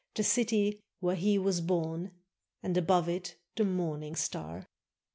The city where he was born, — And above it the morning star.